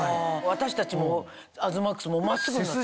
私たちも東ＭＡＸも真っすぐになった。